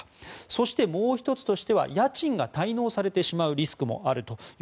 そしてもう１つ家賃が滞納されてしまうリスクもあると。